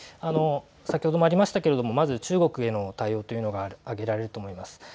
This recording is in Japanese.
先ほどもありましたけれどもまず中国への対応というのが挙げられると思います。